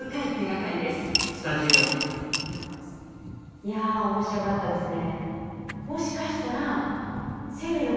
いや面白かったですね。